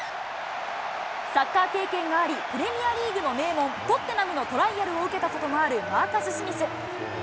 サッカー経験があり、プレミアリーグの名門、トッテナムのトライアルを受けたこともあるマーカス・スミス。